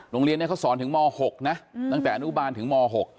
โรงเรียนนี้เขาสอนถึงม๖นะตั้งแต่อนุบาลถึงม๖